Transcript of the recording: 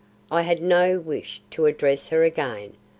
I had no wish to address her again.